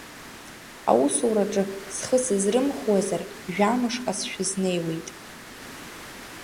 Аусураҿы схы сызрымхуазар, жәамышҟа сшәызнеиуеит.